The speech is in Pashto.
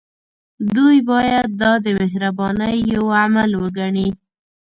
دوی باید دا د مهربانۍ يو عمل وګڼي.